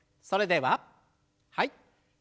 それでははい。